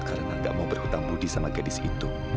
ma tanya langsung papa tuh mau ada di sini